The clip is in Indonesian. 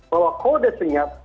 bahwa kode senyap